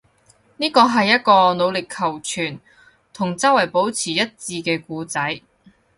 呢個係一個努力求存，同周圍保持一致嘅故仔